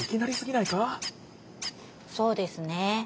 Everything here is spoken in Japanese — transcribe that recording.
そうですね。